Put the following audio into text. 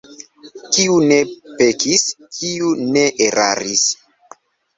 Kiu ne pekis, kiu ne eraris?